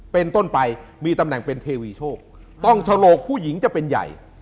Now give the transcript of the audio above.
เป็นต้นไปมีตำแหน่งเป็นเทวีโชคต้องฉลกผู้หญิงจะเป็นใหญ่